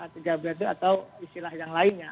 tiga periode atau istilah yang lainnya